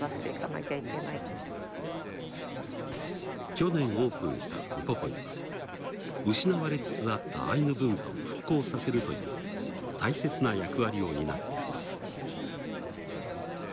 去年オープンしたウポポイは失われつつあったアイヌ文化を復興させるという大切な役割を担っています。